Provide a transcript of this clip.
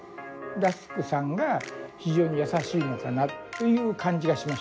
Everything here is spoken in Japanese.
らすくさんが非常に優しいのかなという感じがしましたね。